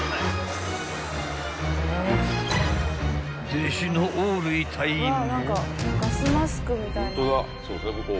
［弟子の大類隊員も］